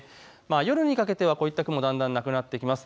夜にかけてはこういった雲、だんだんなくなってきます。